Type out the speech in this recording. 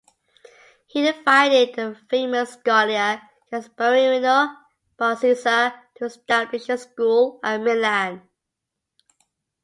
He invited the famous scholar Gasparino Barzizza to establish a school at Milan.